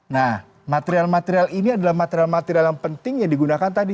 nah material material ini adalah material material yang penting yang digunakan tadi